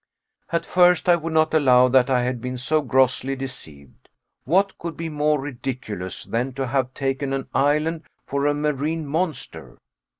At first I would not allow that I had been so grossly deceived. What could be more ridiculous than to have taken an island for a marine monster?